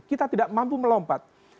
kita tidak mampu melompat